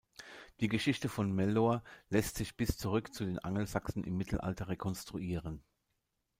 Die Geschichte von Mellor lässt sich bis zurück zu den Angelsachsen im Mittelalter rekonstruieren.